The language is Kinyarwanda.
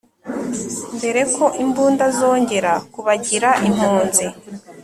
Mbere ko imbunda zongera kubagira impunzi